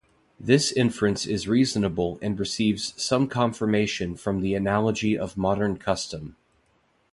This inference is reasonable and receives some confirmation from the analogy of modern custom.